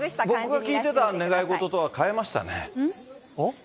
僕が聞いてた願い事とは変えましたね。